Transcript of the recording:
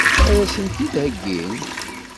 Ad as-tent-id-theggim?